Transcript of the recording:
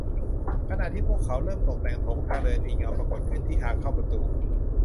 ขณะที่พวกเขาเริ่มตกแต่งโถงทางเดินมีเงาปรากฏขึ้นที่ทางเข้าประตู